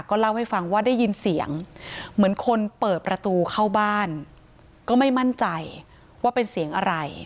เล่าให้ฟังว่าได้ยินเสียงเหมือนคนเปิดประตูเข้าบ้านก็ไม่มั่นใจว่าเป็นเสียงอะไร